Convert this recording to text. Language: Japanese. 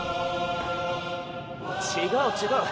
違う違う！